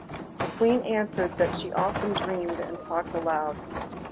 The Queen answered that she often dreamed and talked aloud.